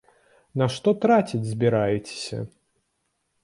На што траціць збіраецеся?